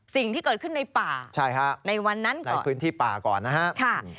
สิ่งที่เกิดขึ้นในป่าในวันนั้นก่อน